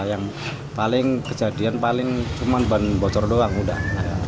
yang paling kejadian paling cuma ban bocor doang udah